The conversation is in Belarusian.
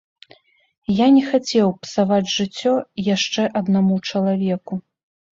Я не хацеў псаваць жыццё яшчэ аднаму чалавеку.